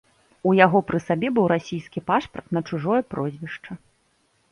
У яго пры сабе быў расійскі пашпарт на чужое прозвішча.